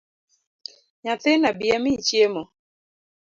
Nyathina bi amiyi chiemo.